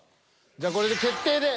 じゃあこれで決定で。